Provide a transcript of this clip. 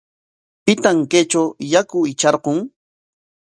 ¿Pitaq kaytraw yaku hitrarqun?